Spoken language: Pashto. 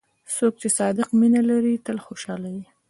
څوک چې صادق مینه لري، تل خوشحال وي.